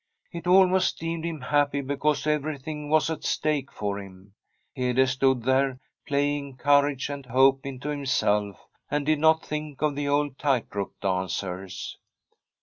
It almost deemed him happy because everything was at stake for him. Hede stood there, playing courage and hope into him self, and did not think of the old tight rope dancers.